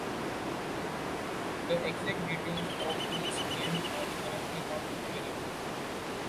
The exact details of his scam are currently not available.